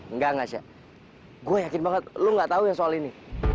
enggak nasha gue yakin banget lu gak tahu yang soal ini